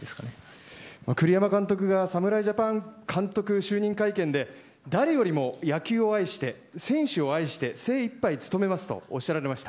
栗山監督が侍ジャパン監督就任会見で誰よりも野球を愛して選手を愛して精一杯努めますとおっしゃられました。